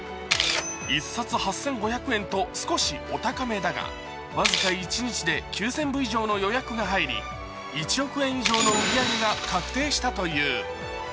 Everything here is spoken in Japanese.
１冊８５００円と少しお高めだが僅か一日で９０００部以上の予約が入り、１億円以上の売り上げが確定したという。